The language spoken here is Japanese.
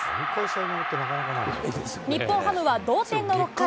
日本ハムは同点の６回。